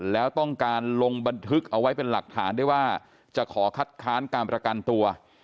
แล้วต้องการลงบันทึกเอาไว้เป็นหลักฐานได้ว่าจะขอคัดค้านการประกันตัว